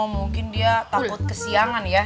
mungkin dia takut kesiangan ya